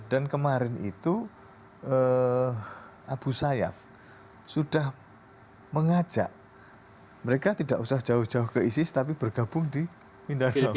kemarin itu abu sayyaf sudah mengajak mereka tidak usah jauh jauh ke isis tapi bergabung di mindari